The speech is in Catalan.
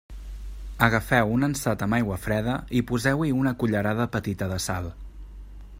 Agafeu un ansat amb aigua freda i poseu-hi una cullerada petita de sal.